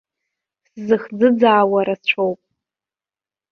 Сзыхӡыӡаауа рацәоуп.